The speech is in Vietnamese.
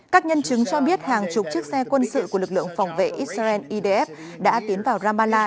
các nhân chứng cho biết hàng chục chiếc xe quân sự của lực lượng phòng vệ israel idf đã tiến vào ramallah